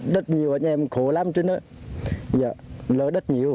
đất nhiều nhà em khổ lắm chứ lỡ đất nhiều